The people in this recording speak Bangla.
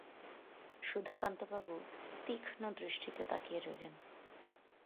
সুধাকান্তবাবু তীক্ষ্ণ দৃষ্টিতে তাকিয়ে রইলেন।